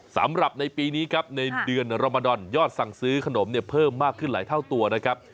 สำหรับในปีนี้ครับในเดือนรมดอนยอดสั่งซื้อขนมเนี่ยเพิ่มมากขึ้นหลายเท่าตัวนะครับ